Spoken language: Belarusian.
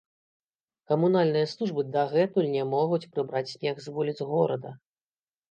Камунальныя службы дагэтуль не могуць прыбраць снег з вуліц горада.